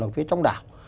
hoặc phía trong đảo